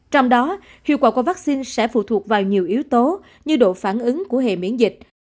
trong đó hiệu quả của vaccine sẽ phụ thuộc vào nhiều yếu tố như độ phản ứng của hệ miễn dịch